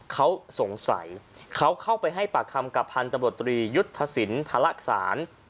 ๑๙๘๖ก็เขาสงสัยเขาเข้าไปให้ประคำกับพันธ์ตำบอตรียุทธสินภรรษร